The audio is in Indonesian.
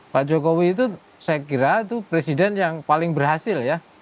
pak jokowi itu saya kira itu presiden yang paling berhasil ya